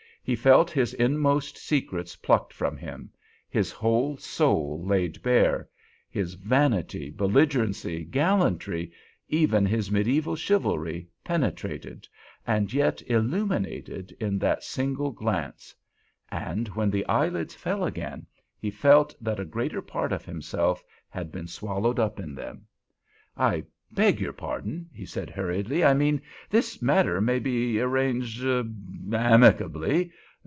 He felt his inmost secrets plucked from him—his whole soul laid bare—his vanity, belligerency, gallantry—even his medieval chivalry, penetrated, and yet illuminated, in that single glance. And when the eyelids fell again, he felt that a greater part of himself had been swallowed up in them. "I beg your pardon," he said, hurriedly. "I mean—this matter may be arranged—er—amicably.